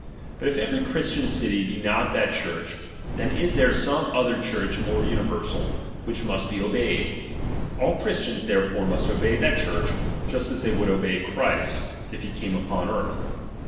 But if every Christian city be not that wiiicii niia Church, then is there some other Church moreoTaii™t universal, which must be obeyed. All Christians*'"''*^ therefore must obey that Church, just as they would obey Christ, if he came upon earth.